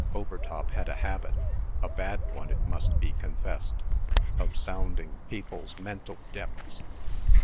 Overtop had a habit (a bad one, it must be confessed) of sounding people's mental depths.